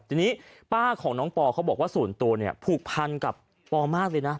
ทีนี้ป้าของน้องปอเขาบอกว่าส่วนตัวเนี่ยผูกพันกับปอมากเลยนะ